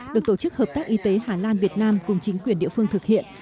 được tổ chức hợp tác y tế hà lan việt nam cùng chính quyền địa phương thực hiện